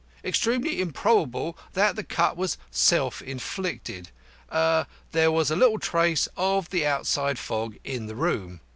Extremely improbable that the cut was self inflicted. There was little trace of the outside fog in the room.